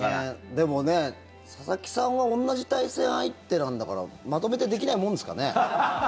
でも、佐々木さんは同じ対戦相手なんだからまとめてできないもんですかね。